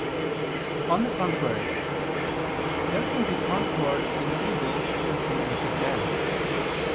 On the contrary, There can be concord in evil between wicked men.